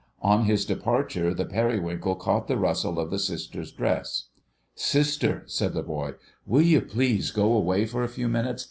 On his departure, the Periwinkle caught the rustle of the Sister's dress. "Sister," said the boy, "will you please go away for a few minutes.